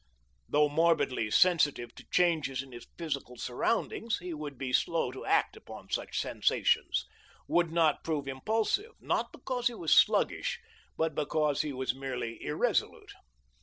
Though morbidly sensitive to changes in his physical surroundings, he would be slow to act upon such sensations, would not prove impulsive, not because he was sluggish, but because he was merely irresolute.